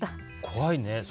怖いね。